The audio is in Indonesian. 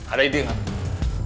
ada ide gak